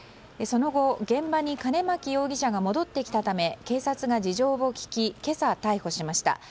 その後、現場に印牧容疑者が戻ってきたため警察が事情を聴き今朝、逮捕しました。